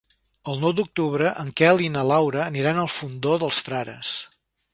El nou d'octubre en Quel i na Laura aniran al Fondó dels Frares.